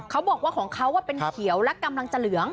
เขาบอกว่าของเขาเป็นเขียวและกำลังจะเหลือง